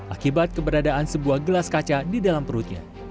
akibat keberadaan sebuah gelas kaca di dalam perutnya